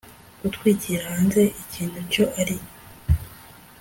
gutwikira hanze ikintu icyo ari